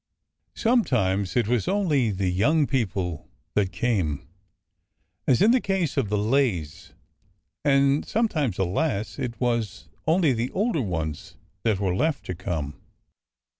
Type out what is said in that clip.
Sometimes it was only the young people that came. 4o8 ORDER NO. 11 as in the case of the Lays; and sometimes, alas! it was only the older ones that v/ere left to come.